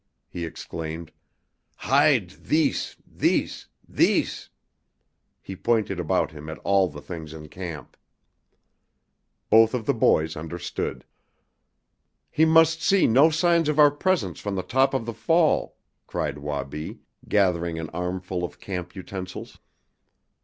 he exclaimed. "Hide thees thees thees!" He pointed about him at all the things in camp. Both of the boys understood. "He must see no signs of our presence from the top of the fall!" cried Wabi, gathering an armful of camp utensils.